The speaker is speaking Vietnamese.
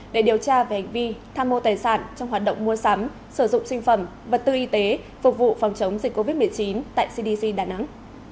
để điều tra về hành vi tham mô tài sản trong hoạt động mua sắm sử dụng sinh phẩm vật tư y tế phục vụ phòng chống dịch covid một mươi chín tại cdc đà nẵng